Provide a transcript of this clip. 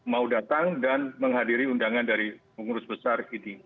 mau datang dan menghadiri undangan dari pengurus besar idi